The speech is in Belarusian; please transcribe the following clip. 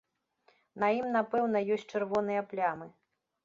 На ім напэўна ёсць чырвоныя плямы.